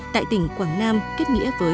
tại tỉnh quảng nam kết nghĩa với